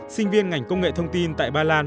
sinh viên ngành công nghệ thông tin tại ba lan